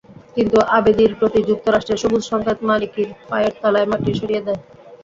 কিন্তু আবাদির প্রতি যুক্তরাষ্ট্রের সবুজ সংকেত মালিকির পায়ের তলার মাটি সরিয়ে দেয়।